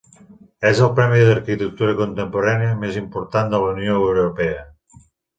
És el Premi d'Arquitectura contemporània més important de la Unió Europea.